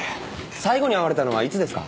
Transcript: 最後に会われたのはいつですか？